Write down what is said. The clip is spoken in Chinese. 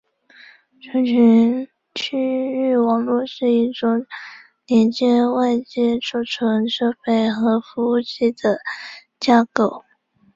储存区域网络是一种连接外接存储设备和服务器的架构。